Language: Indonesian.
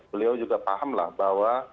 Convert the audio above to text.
beliau juga pahamlah bahwa